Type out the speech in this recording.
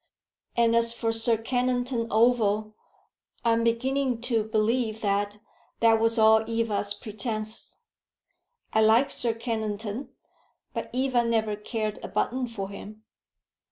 And as for Sir Kennington Oval, I am beginning to believe that that was all Eva's pretence. I like Sir Kennington, but Eva never cared a button for him.